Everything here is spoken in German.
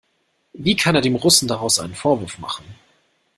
Wie kann er dem Russen daraus einem Vorwurf machen?